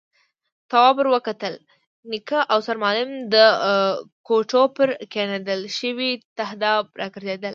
تواب ور وکتل، نيکه او سرمعلم د کوټو پر کېندل شوي تهداب راګرځېدل.